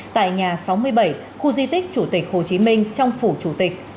tại nhà sáu mươi bảy khu di tích chủ tịch hồ chí minh trong phủ chủ tịch